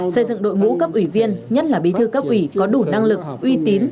xây dựng đội ngũ cấp ủy viên nhất là bí thư cấp ủy có đủ năng lực uy tín